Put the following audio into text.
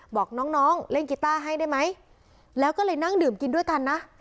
บอกน้องเล่นกีต้าให้ได้ไหมแล้วก็เลยนั่งดื่มกินด้วยกันนะ